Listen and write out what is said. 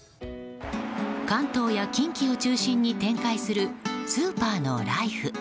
関東や近畿を中心に展開するスーパーのライフ。